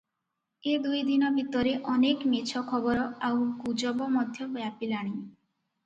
ଏ ଦୁଇ ଦିନ ଭିତରେ ଅନେକ ମିଛ ଖବର ଆଉ ଗୁଜବ ମଧ୍ୟ ବ୍ୟାପିଲାଣି ।